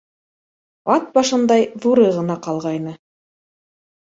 Ат башындай ҙуры ғына ҡалғайны.